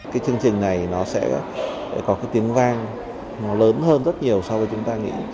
cái chương trình này nó sẽ có cái tiếng vang nó lớn hơn rất nhiều so với chúng ta nghĩ